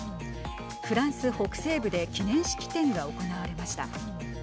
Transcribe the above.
フランス北西部で記念式典が行われました。